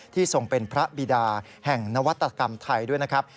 ทรงเป็นพระบิดาแห่งนวัตกรรมไทยด้วยนะครับ